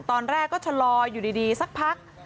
ตอนแรกก็ชะลออยู่ดีสักพัก